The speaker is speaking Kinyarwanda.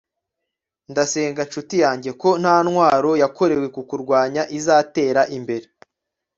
ndasenga nshuti yanjye, ko nta ntwaro yakorewe kukurwanya izatera imbere